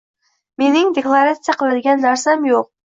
Mening deklaratsiya qiladigan narsam yo'q